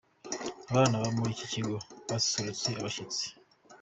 Abana baba muri iki kigo basusurutsa abashyitsi.